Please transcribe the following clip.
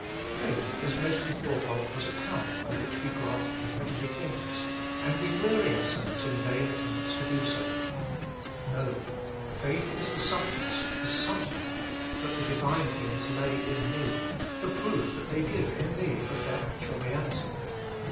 /. Faith Is mostly thought of as a power by which we grasp the heavenly things, and we weary ourselves in vain attempts to do so. No, faith Is the substance, the substructure, that the divine things lay in me, the proof they give in me of their actual reality.